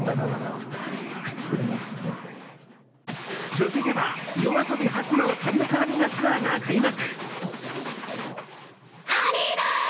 続いてはＹＯＡＳＯＢＩ初の単独アリーナツアーが開幕！